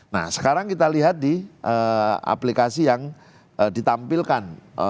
nah sekarang kita lihat di aplikasi yang ditampilkan